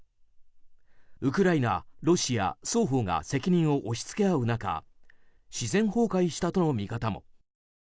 ウクライナ、ロシア双方が責任を押し付け合う中自然崩壊したとの見方も。